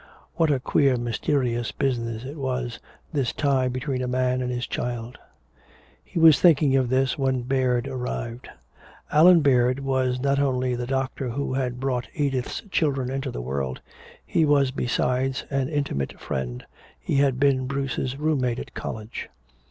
What a queer mysterious business it was, this tie between a man and his child. He was thinking of this when Baird arrived. Allan Baird was not only the doctor who had brought Edith's children into the world, he was besides an intimate friend, he had been Bruce's room mate at college.